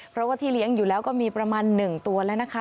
เพราะว่าที่เลี้ยงอยู่แล้วก็มีประมาณ๑ตัวแล้วนะคะ